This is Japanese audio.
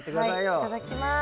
はいいただきます。